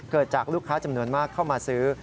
เกิดจากลูกค้าจำนวนมากเข้ามาซื้อ